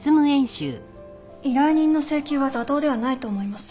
依頼人の請求は妥当ではないと思います。